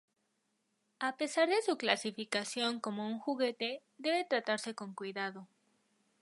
A pesar de su clasificación como un juguete, debe tratarse con cuidado.